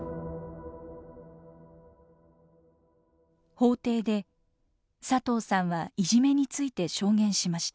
法廷で佐藤さんはいじめについて証言しました。